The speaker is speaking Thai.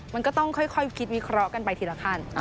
มันก็ต้องค่อยคิดวิเคราะห์กันไปทีละขั้น